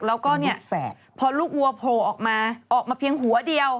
แล้วก็เนี่ยพอลูกวัวโผล่ออกมาออกมาเพียงหัวเดียว